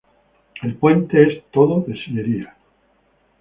El puente es todo de sillería.